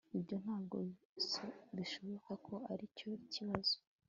Ibyo ntabwo bishoboka ko aricyo kibazo